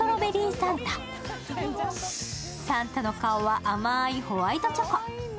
サンタの顔は甘ーいホワイトチョコ。